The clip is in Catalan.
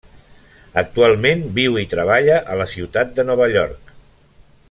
Actualment viu i treballa a la ciutat de Nova York.